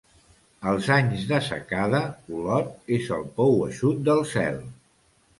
En anys de secada, Olot és el pou eixut del cel.